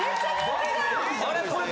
あれ？